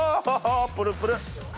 プルプル！